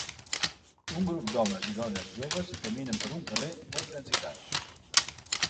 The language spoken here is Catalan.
Un grup d'homes i dones joves caminen per un carrer molt transitat.